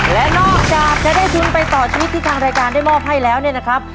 และนอกจากจะได้ทุนไปต่อชีวิตที่ทางรายการได้มอบให้แล้วเนี่ยนะครับ